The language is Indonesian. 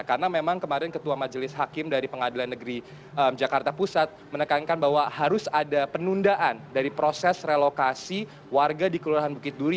karena memang kemarin ketua majelis hakim dari pengadilan negeri jakarta pusat menekankan bahwa harus ada penundaan dari proses relokasi warga di kelurahan bukit duri